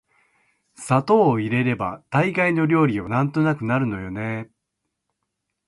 砂糖を入れれば大概の料理はなんとかなるのよね～